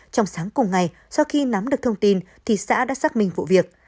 trong sáng cùng ngày sau khi nắm được thông tin thị xã đã xác minh vụ việc